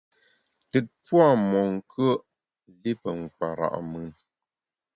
Tùt pua’ monkùe’, li pe nkpara’ mùn.